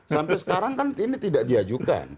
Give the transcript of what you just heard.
sampai sekarang kan ini tidak diajukan